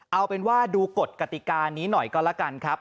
เอาเป็นว่าดูกฎกติกานี้หน่อยก็แล้วกันครับ